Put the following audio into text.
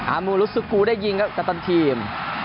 อามูรุสุกูได้ยิงครับคัตตอนทีม